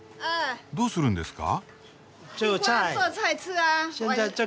どうするんですか？